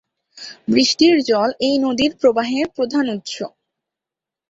বৃষ্টির জল এই নদীর প্রবাহের প্রধান উৎস।